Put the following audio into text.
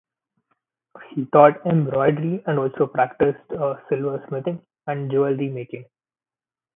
She taught embroidery and also practised silversmithing and jewellery making.